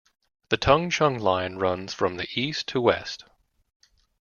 The Tung Chung Line runs from the east to west.